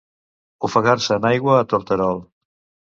Ofegar-se en aigua a torterol.